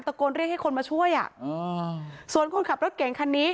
โกนเรียกให้คนมาช่วยอ่ะส่วนคนขับรถเก่งคันนี้